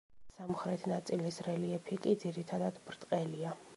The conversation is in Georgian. სამხრეთ ნაწილის რელიეფი კი ძირითადად ბრტყელია.